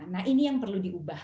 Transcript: nah ini yang perlu diubah